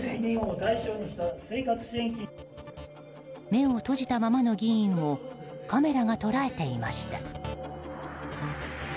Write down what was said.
目を閉じたままの議員をカメラが捉えていました。